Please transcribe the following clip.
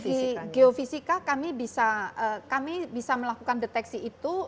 dari segi geofisika kami bisa melakukan deteksi itu